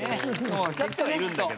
使ってはいるんだけど。